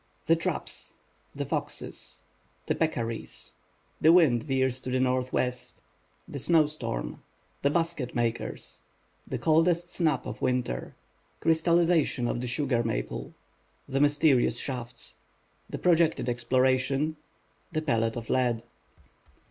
THE TRAPS—THE FOXES—THE PECCARIES —THE WIND VEERS TO THE NORTHWEST —THE SNOW STORM—THE BASKET MAKERS —THE COLDEST SNAP OF WINTER —CRYSTALLIZATION OF THE SUGAR MAPLE —THE MYSTERIOUS SHAFTS—THE PROJECTED EXPLORATION—THE PELLET OF LEAD.